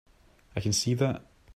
I can see that.